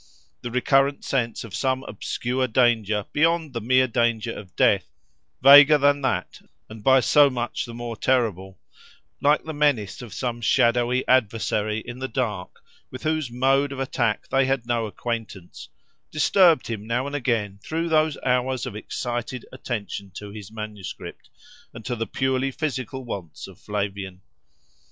The recurrent sense of some obscure danger beyond the mere danger of death, vaguer than that and by so much the more terrible, like the menace of some shadowy adversary in the dark with whose mode of attack they had no acquaintance, disturbed him now and again through those hours of excited attention to his manuscript, and to the purely physical wants of Flavian.